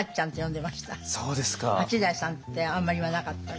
八大さんってあまり言わなかったみたい。